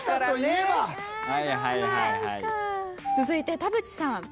続いて田渕さん。